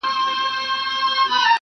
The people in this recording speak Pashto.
اوس په ساندو كيسې وزي له كابله-